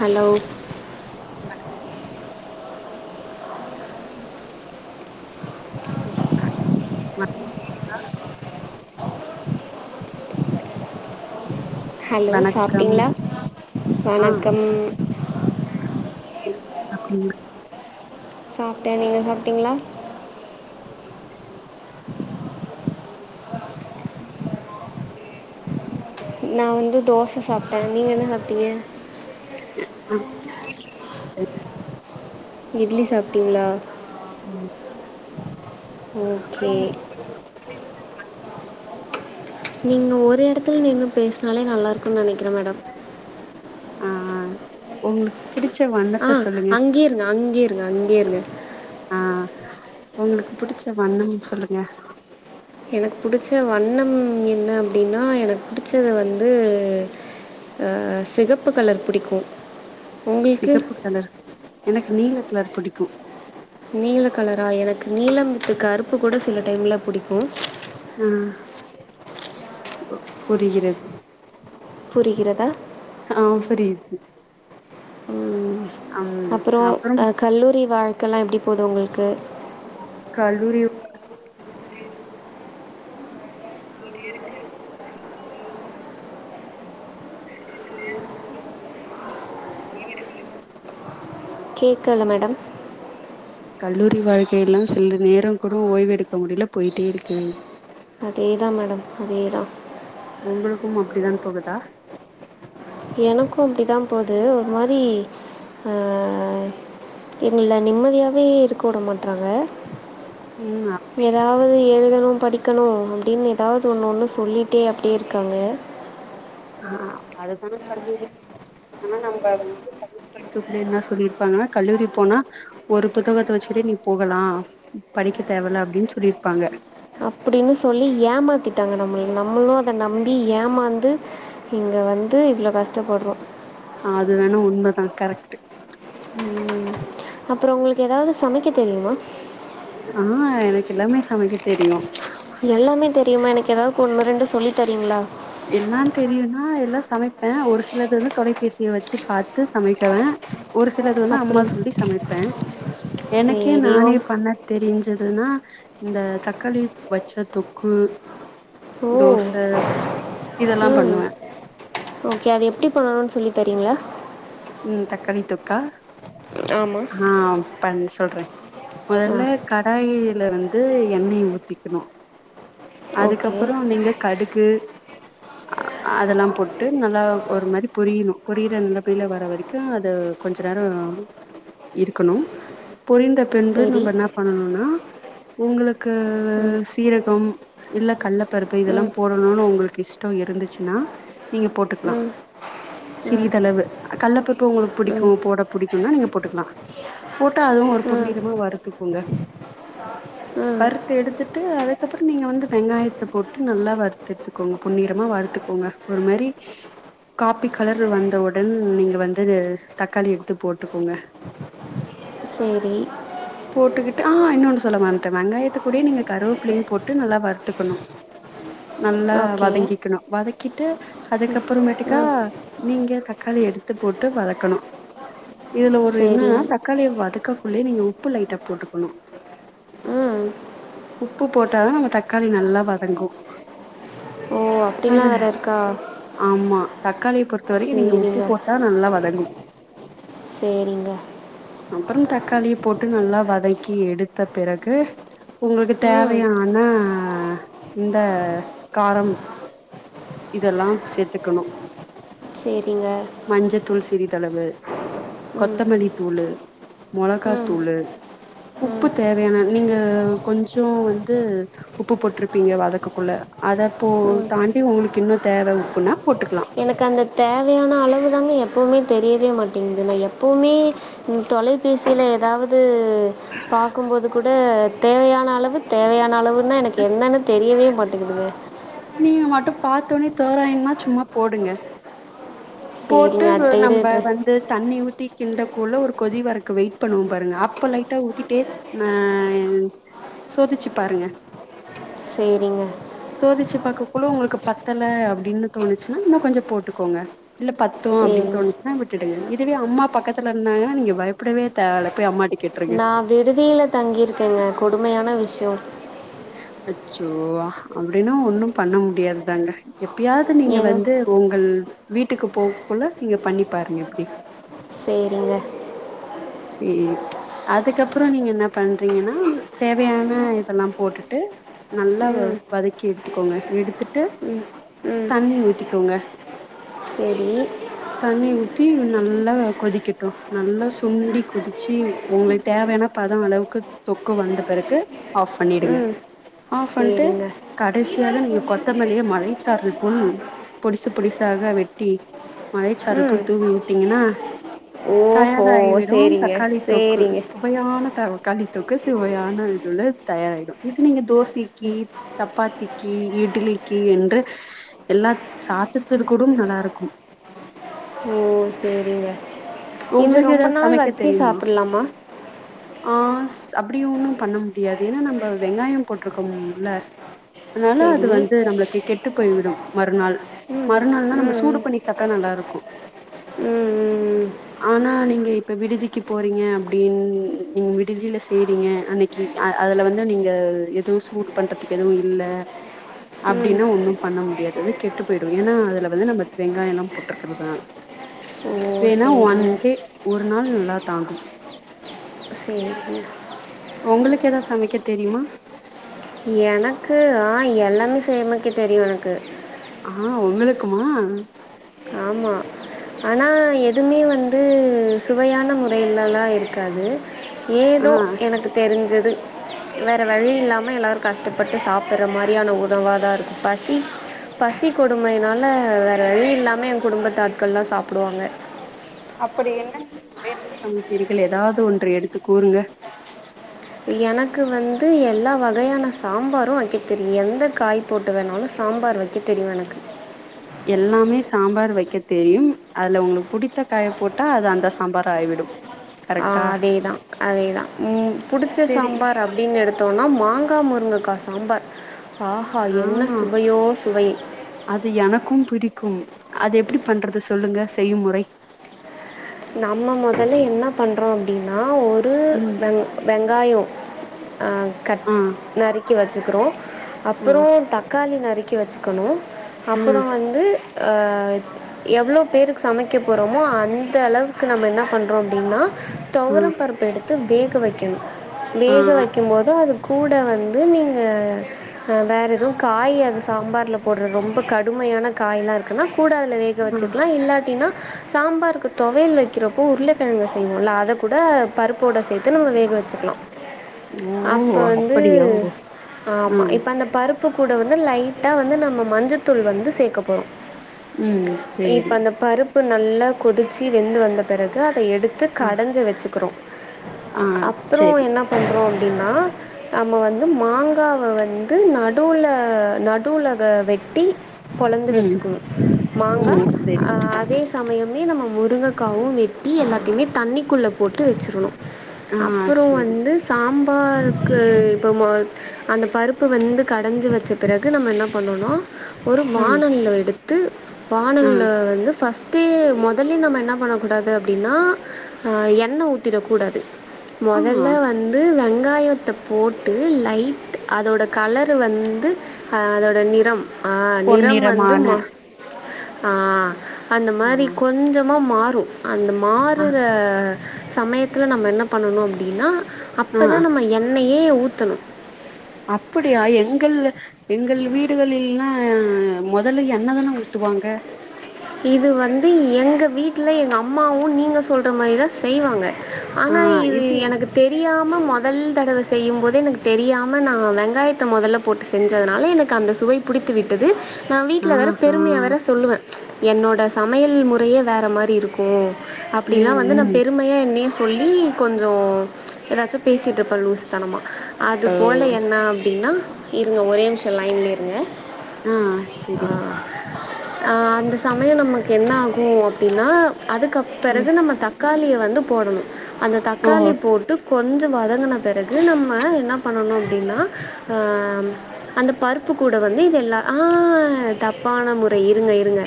hello வர [inaudible] கேட்டிங்ளா hello வணக்கம் சாப்பிட்டிங்களா ஆ வணக்கம் [unintelligible] சாப்ட நீங்க சாப்டீங்களா நா வந்து தோச சாப்ட்ட நீங்க என்ன சாப்ட்டீங்க இருக்கு இட்லி சாப்டிங்களா உம் ஓகே நீங்க ஒரு எடத்துல நின்னு பேசுனாலே நல்லாயிருக்கும் நெனக்கிற மேடம் அ அஹ் உங்களுக்கு பிடிச்சவன் ஆஹ் அங்கே இருங்க அங்கே இருங்க அங்கே இருங்க ஆஹ் உங்களுக்கு பிடிச்ச வண்ணம் சொல்லுங்க எனக்கு புடிச்ச வண்ணம் என்ன அப்டினா எனக்கு புடிச்சது வந்து அ செகப்பு கலர் பிடிக்கும் சிகப்பு கலர் எனக்கு நீலக் கலர் பிடிக்கும் நீல கலரா எனக்கு நீலம் வித் கருப்பு கூட சில டைம்ல பிடிக்கும் ஹம் புரிகிறது புரிகிறதா ஆஹ் புரியுது ம் அம் அப்றோம் அப்புறம் அ கல்லூரி வாழ்கலாம் எப்படிப் போது உங்களுக்கு கல்லூரி கேக்கல மேடம் கல்லூரி வாழ்க்கை எல்லாம் சில நேரம் கூட ஓய்வு எடுக்க முடில போயிட்டே இருக்கு அதே தா மேடம் அதே தா உங்களுக்கும் அப்படி தான் போகுதா எனக்கும் அப்படி தா போது ஒரு மாரி ஆஹ் எங்கள நிம்மதியாவே இருக்க விட மாட்றாங்க உம் அ எதாவது எழுதணும் படிக்கணும் அப்படின்னு எதாவது ஒன்னு ஒன்னு சொல்லிட்டே அப்படியே இருக்காங்க ஆஹ் அது தானே கல்லூரி ஆனா நம்ப வந்து கல்லூரி [unintelligible] என்ன சொல்லிருப்பாங்க கல்லூரி போனா ஒரு புத்தகத்த வச்சுகிட்டே நீ போகலா படிக்க தேவ இல்ல அப்டின்னு சொல்லிருப்பாங்க அப்படின்னு சொல்லி ஏமாத்திட்டாங்க நம்மள நம்மளும் அத நம்பி ஏமாந்து இங்க வந்து இவ்ளோ கஷ்டப்பட்றோ அது வேணா உண்மதா கரெக்ட்டு ம் அப்புறோ உங்களுக்கு ஏதாவது சமைக்க தெரியுமா ஆ எனக்கு எல்லாமே சமைக்க தெரியு எல்லாமே தெரியுமா எனக்கு ஏதாவது ஒன்னு ரெண்டு சொல்லித்தரீங்களா எல்லாந் தெரியுன்னா எல்லா சமைப்பே ஒரு சிலது வந்து தொலைபேசிய வச்சு பாத்து சமைக்குவே ஒரு சிலது வந்து அம்மா அப்படி சொல்லி சமைப்பே எனக்கே சரி ஓ நானே பண்ண தெரிஞ்சதுன்னா இந்த தக்காளி வச்ச தொக்கு தோச இதெல்லா உம் பண்ணுவே ஓகே அது எப்டி பண்ணணும்னு சொல்லித் தரீங்களா ம் தக்காளி தொக்கா ஆமாம் ஆ பண் சொல்றே ஆ மொதல்ல கடாயில வந்து எண்ணெய ஊத்திக்கணு ஓகே அதுக்கப்புறோ நீங்க கடுகு அ அதெல்லா போட்டு நல்லா ஒரு மாரி பொரியணு பொரியிற நலமல வர வரைக்கு அது கொஞ்ச நேரோ இருக்கணு பொரிந்த பின்பு சரி நம்ப என்ன பண்ணணும்னா உங்களுக்கு ம் சீரகம் இல்ல கல்லபருப்பு இதெல்லா ம் போடணுனு உங்களுக்கு இஷ்டோ இருந்துச்சுன்னா நீங்க போட்டுக்கலா ம் சிறிதளவு கல்லபருப்பு உங்களுக்கு பு ம் டிக்கு ம் போட புடிக்கும்னா நீங்க போட்டுக்கலா போட்டா அதுவு ஒரு ம் பொன்னிறமா வறுத்துக்குங்க ம் வறுத்து எடுத்துட்டு அதுக்கப்புறோ நீங்க வந்து வெங்காயத்த போட்டு நல்லா வறுத்து எத்துக்கோங்க பொன்னிறமா வறுத்துக்கோங்க ஒரு மேரி காஃபி கலர் வந்தவுடன் நீங்க வந்து தக்காளி எடுத்து போட்டுக்கோங்க சே ரி போட்டுக்கிட்டு ஆ இன்னொன்னு சொல்ல மறந்துட்டே வெங்காயத்தக்கூடேயே நீங்க கருவேப்பிள்ளையு போட்டு நல்லா வறுத் துக்கணு நல்லா ஓகே வதங்கிக்கணு வதக்கிட்டு சரி அதுக்கப்புறமேட்டுக்கா ம் நீங்க தக்காளி எடுத்து போட்டு வதக்கணு இதுல ஒரு சரி என்னன்னா தக்காளி வதக்கக்குள்ளேயே நீங்க உப்பு லைட்டா போட்டுக்கணு ம் உப்பு போட்டாதா அந்த தக்காளி நல்லா வதங்கு ஓ அது அப்டிலா வேற இருக்கா ஆமா தக்காளிய பொறுத்த வரைக்கு நீங்க உப்பு போட்டா நல்லா வதங்கு சேரிங்க அப்புறம் தக்காளிய போட்டு நல்லா வதக்கி எடுத்த பிறகு உங்களுக்கு ம் தேவையான இந்த காரம் இதெல்லாம் சேத்துக்கணும் சேரிங்க மஞ்சத்தூள் சிறிதளவு ம் கொத்தமல்லி தூளு ம் மொளகாத்தூளு உப்பு ம் தேவையான நீங்க கொஞ்சோ வந்து உப்பு போட்ருப்பீங்க வதக்ககுள்ள அத போ ம் தாண்டி உங்களுக்கு இன்னு தேவ உப்புன்னா போட்டுக்கலா எனக்கு அந்த தேவையான அளவுதாங்க எப்பவுமே தெரியவே மாட்டேங்குது நா எப்பவுமே ம் தொலைபேசியில ஏதாவ்து பாக்கும்போது கூட தேவையான அள வு தேவையான அளவுன்னா எனக்கு என்னன்னு தெரியவே மாட்டேங்குதுங்க நீங்க மட்டும் பார்த்தவுனே தோராயுமா சும்மா போடுங்க போட்டு சரிங்க அடுத்த வீடு நம்ப ட்ர வந்து தண்ணி கிண்ட கூழ ஒரு கொதி வறக்க வெயிட் பண்ணுவோம் பாருங்க அப்ப லைட்டா ஊத்தி டேஸ்ட் ஹான் சோதிச்சு பாருங்க சேரிங்க சோதிச்சு பாக்ககுள்ள உங்களுக்கு பத்தல அப்டின்னு தோணுச்சுன்னா இன்னும் கொஞ்சம் போட்டுக்கோங்க இல்ல அப்டின்னு சரிங்க தோணுதுன்னா விட்டுங்க இதுவே அம்மா பக்கத்துல இருந்தாங்கன நீங்க பயப்படவே தேவை இல்ல போய் அம்மாட்ட கேளு நான் விடுதியில தங்கியிருக்கேங்க கொடுமையான விஷயோ அச்சோ அப்டின்னா ஒன்னும் பண்ண முடியாதுதாங்க எப்டியாவ்து நீங்க எதுவும் வந்து உங்கள் வீட்டுக்கு போகக்குள்ள நீங்க பண்ணி பாருங்க எப்டி சேரிங்க செரி அதுக்கப்புறம் நீங்க என்ன பண்றீங்கன்னா தேவையான இதெல்லாம் போட்டுட்டு நல்லா ம் வதக்கி எடுத்துக்கோங்க எடுத்துட்டு ம் ம் தண்ணி ஊத்திக்கோங்க சரி தண்ணி ஊத்தி நல்லா கொதிக்கட்டும் நல்லா சுண்டி கொதிச்சி உங்களுக்கு தேவையான பதம் அளவுக்கு தொக்கு வந்த பிறகு ஆஃப் பண்ணிடுங்க ம் ஆப் பண்ணிட்டு சேரிங்க கடைசியா தான் நீங்க கொத்தமல்லியே மழைச்சாரல் போல் பொடிசு பொடிசாக வெட்டி மழைச்சாரல் ம் போல தூவி விட்டீங்கன்னா ஓஹோ தயாராகிவிடும் சேரிங்க தக்காளி தொக்கு சேரிங்க சுவையான தர தக்காளித் தொக்கு சுவையான இதுல தயாராயிடும் இது நீங்க தோசைக்கு சப்பாத்திக்கு இட்லிக்கு என்று எல்லா சாதத்திற்கும் கூடும் நல்லா இருக்கும் ஓ சேரிங்க இது உங்களுக்கு ரொம்ப ஏதாவது நாள் சமைக்க வச்சு சாப்பிடலாமா ஆஹ் அப்படியும் ஒன்னும் பண்ண முடியாது ஏன்னா நம்ம வெங்காயம் போட்டிருக்கோம் இதுல அதனால அது சரி வந்து நம்மளுக்கு கெ கெட்டு போய்விடும் மறுநாள் ம் மறுநாள்னா நம்ம ம் சூடு ம் பண்ணி சாப்பிட்டா நல்லா இருக்கும் ம் ஆனா நீங்க இப்ப விடுதிக்கு போறீங்க அப்படின்னு நீங்க விடுதியில செய்றீங்க அன்னை க்கி அதுல வந்து நீங்க எதுவும் சூடு பண்றதுக்கு எதுவும் இல்ல ம் ம் அப்படின்னா ஒண்ணும் பண்ண முடியாது அது வந்து கெட்டு போயிடும் ஏன்னா அதுல வந்து நம்ம வெங்காயம்ல்லாம் போட்டுருக்கறிறதுனால ஓ அ சரிங்க ஒன்டே ஒரு நாள் நல்ல தான் சேரி உங்களுக்கு ஏதாவது சமைக்க தெரியுமா எனக்கு ஆ எல்லாமே செமைக்க தெரியும் எனக்கு ஆஹ் உங்களுக்குமா ஆமா ஆனா எதுவுமே வந்து சுவையான முறையிலல்லாம் இருக்காது ஆ ஏதோ எனக்கு தெரிஞ்சது வேற வழி இல்லாம எல்லா கஷ்டப்பட்டு சாப்பிடடுற மாதிரி யான உணவா தான் இருக்கு பசி பசி கொடுமையினால வேற வழி இல்லாம குடும்பத்தாட்கள்லாம் சாப்பிடுவாங்க அப்படி என்ன நீங்க சமைக்கிறிர்கள் ஏதாவது ஒன்று எடுத்து கூறுங்க எனக்கு வந்து எல்லா வகையான சாம்பாரும் வைக்க தெரியும் எந்த காய போட்டு வேணாலும் சாம்பார் வைக்க தெரியும் எனக்கு எல்லாமே சாம்பார் வைக்க தெரியும் அதுல உங்களுக்கு பிடித்த காய போட்டா அது அந்த சாம்பார் ஆகிவிடும் அதேதா அதேதா ம் உனகு புடிச்ச சேரி சாம்பாரு அப்படின்னு எடுத்தோம்னா மாங்கா முருங்கக்கா சாம்பார் ஆஹா என்ன ஆ சுவையோ சுவை அது எனக்கு பிடிக்கு அது எப்படி பண்றது சொல்லுங்க செய்யும் முறை நம்ம முதல்ல என்ன பண்ணுறோ அப்டின்னா ஒரு ம் வெங வெங்காய அ கட் ஆ நறுக்கி வச்சுக்கிறோ ஆ அப்றோ த தக்காளி நறுக்கி வச்சுக்கணு ஆ அப்புறோ வந்து ஆ எவ்ளோ பேருக்கு சமைக்க போறோமோ அந் மற்ற அளவுக்கு நம்ம என்ன பண்ணுறோ அப்டின்னா ஆ துவர பருப்பு எடுத்து வேக வைக்கணு ஆ வேக வைக்கு போது அது கூட வந்து நீங்க வேற எதும் காய் அது சாம்பார்ல போடுற ரொம்ப கடுமையான காய்லா இருக்குன்னா கூட அதுல ஆ வச்சுக்கலா இல்லாட்டினா சாம்பாருக்கு தொவையல் வைக்கிறப்போ உருளைக்கிழங்கு செய்வோம்ல அதை கூட பருப்போட சேர்த்து நம்ம வேக வச்சுக்கலா ஓ அப்ப வந்து அப்படியா ஓ ஆ ஆமா இப்ப அந்த பருப்பு கூட வந்து லைட்டாக வந்து நம்ம மஞ்சத்தூள் வந்து சேர்க்க போகிறோ ம் இப்ப சேரி அந்த பருப்பு நல்லா கொதிச்சு வெந்து வந்த பிறகு அத எடுத்து ஆ கடச்சி வச்சுக்கிறோ ஆ அப்றோ சேரி என்ன பண்ணுறோ ஏனா நம்ம வந்து மாங்காவை வந்து நடுல நடுல வெட்டி பொளந்து ம் வச்சுக்கனு மாங்கா ம் சேரி அ அதே சமயமுமே முருங்கைக்காவு வெட்டி எல்லாத்தையுமே தண்ணிக்குள்ளா போட்டு வச்சருணு ஆ அப்றனம் சேரி வந்து சாம்பாருக்கு இப்ப ம அந்த பருப்பு வந்து கடஞ்சி வச்சிகிறதுக்கு நம்ம என்ன பண்ணனு ஒரு ம் வானவில எடுத்து ஆ வானவில வந்து ஃபர்ஸ்ட்டே மொத் வெள்ளி கிழமா நம்ம என்ன பண்ணக்கூடாது அப்டின்னா ஆ எண்ணெ ஊத்திடக்கூடாது ஆ மோதல்லா வந்து வந்து வெங்காயத்த போட்டு லைட் அதோட கலரு வந்து அ அதோட நிறம் ஆ நிறம் வந்து பொன்னிறமான போ ஆ அந்த ஆ மாரி கொஞ்சமா மாறும் அந்த ஆ மாறுற சமயத்துல நம்ம என்ன பண்ணணு அப்டின்னா ஆ அப்ப தா நம்ம எண்ணெயே ஊத்தணு அப்டியா எங்கள் எங்கள் வீடுகளில்லா முதல்ல எண்ணதானே ஊத்துவாங்க இது வந்து எங்க வீட்ல எங்க அம்மாவு நீங்க சொல்ற மாரிதா செய்வாங்க ஆனா இது எனக்கு தெரியாம முதல் தடவை செய்யு போதே எனக்கு தெரியாம நா வெங்காயத்த முதல்ல போட்டு செஞ்சதுனால எனக்கு அந்த சுவை பிடித்து விட்டது நா ஆ வீட்ல வேற ஆ பெருமையா வேற சொல்லுவே என்னோட சமையல் முறையே வேற மாரி இருக்கு ம் அப்டிலா ம் வந்து நா பெரு ம் பெருமைய என்னையே சொல்லி கொஞ்ச ஏதாச்சி பேசிட்டு இருப்பே லூஸ் அது ஓ போல என்ன அப்டின்னா இருங்க ஒரே நிமிஷம் லைனில்லே இருங்க ம் ஆ சேரி ஆ அந்த சமய நமக்கு என்ன ஆகும் அப்டின்னா அதுக்கு அப் ம் பிறகு நம்ம தக்காளிய வந்து போடணு அந்த ஓ தக்காளி போட்டு கொஞ்சோ வத க்கன பிறகு நம்ம என்ன பண்ணணு அப்டின்னா அந்த பருப்பு கூட வந்து இத எல்லா ஆ தப்பான முறை இருங்க இருங்க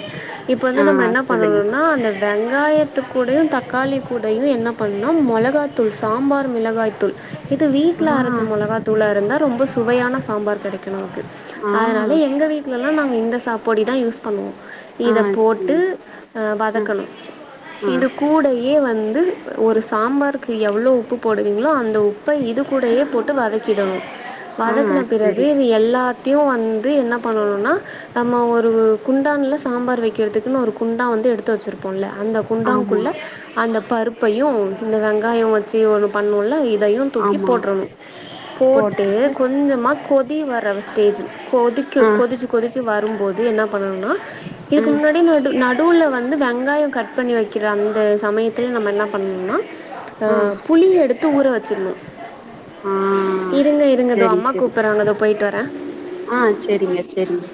ப்ப ஆ வந்து நம்ம என்ன சொல்லுங்க பண்ணணுன்னா அந்த வெங்காயத்து கூடையு தக்காளி கூடையு என்ன பண்ணுன்னா மொளகாதூள் சாம்பார் மிளகாய்தூள் இது ஆ வீட்ல அரச்ச மொளகாதூள்ளாருந்தா ரொம்ப சுவையான சாம்பார் கிடைக்கு நமக்கு ஆ அதுனால எங்க வீட்டுலல்லா நாங்க இந்த சாப் பொடி தா யூஸ் பண்ணுவோ ஆ இத போட்டு சரி அ ஆ வதக்கணு ஆ இது கூடயே வந்து ஒரு சாம்பாருக்கு எவ்ளோ உப்பு போடுவீங்களோ அந்த உப்ப இது கூடயே போட்டு வதக்கிடணு ஆ வதக்குன பிறகு சரி இது எல்லாத் த்தியு வந்து என்ன பண்ணணுன்னா நம்ம ஒரு குண்டான்ல சாம்பார் வெக்கிறதுக்குன்னு ஒரு குண்டா வந்து எடுத்து வெச்சிர்ப்போல்ல அந்த ஆமா குண்டாங்குள்ள அந்த பருப்பையு இந்த வெங்காய வச்சி ஒன்னு பண்ணுவோல்ல இதையு தூக்கி ஆமா போட்றனு போட்டு போட்டுட்டு கொஞ்சமா கொதி தி வர ஸ்டேஜ்ஜு கொதிக்க ஆ கொதிச்சி கொதிச்சி வரும்போது என்ன பண்ணணுன்னா ஆ இதுக்குமுன்னாடி நடு நாட் நடுல வந்து வெங்காயொ கட் பண்ணி வெக்கிற அந்த சமயத்துல நம்ப என்னா பண்ணனுன்னா அ ஆ புளி எடுத்து ஊற வச்சிற்ணு ஆ இருங்க இருங்க தோ சரி அம்மா சரி கூப்பறாங்க தோ பொய்ட்டு வர ஆ செரிங்க செரிங்க